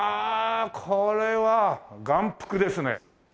これは眼福ですね！